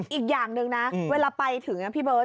อีกอย่างหนึ่งนะเวลาไปถึงนะพี่เบิร์ต